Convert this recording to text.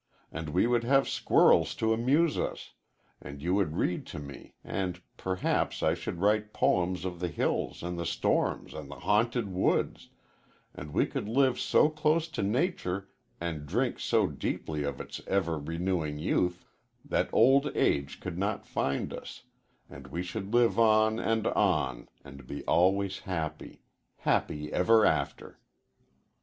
And we would have squirrels to amuse us, and you would read to me, and perhaps I should write poems of the hills and the storms and the haunted woods, and we could live so close to nature and drink so deeply of its ever renewing youth that old age could not find us, and we should live on and on and be always happy happy ever after."